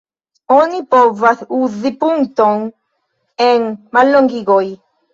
Oni povas uzi punkton en mallongigoj.